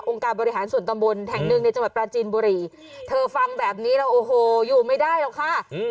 การบริหารส่วนตำบลแห่งหนึ่งในจังหวัดปราจีนบุรีเธอฟังแบบนี้แล้วโอ้โหอยู่ไม่ได้หรอกค่ะ